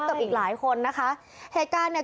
กับอีกหลายคนนะคะเหตุการณ์เนี่ย